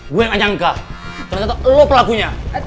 gue yang menyangka ternyata lo pelakunya